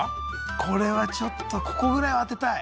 これはちょっとここぐらいは当てたい